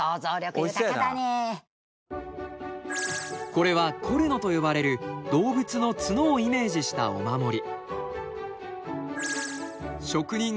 これはコルノと呼ばれる動物の角をイメージしたお守り。